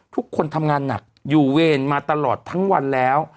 ทุกคนทำงานหนักอยู่เวรมาตลอดทั้งวันแล้ว